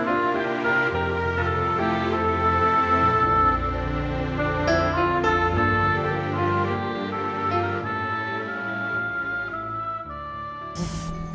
aku mau mencobanya